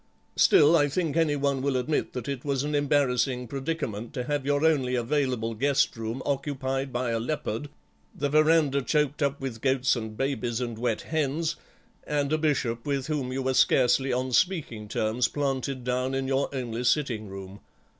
Still, I think any one will admit that it was an embarrassing predicament to have your only available guest room occupied by a leopard, the verandah choked up with goats and babies and wet hens, and a Bishop with whom you were scarcely on speaking terms planted down in your own sitting room.